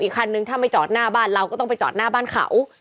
คันนึงถ้าไม่จอดหน้าบ้านเราก็ต้องไปจอดหน้าบ้านเขา